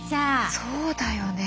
そうだよね。